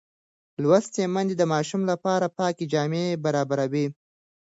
لوستې میندې د ماشوم لپاره پاکې جامې برابروي.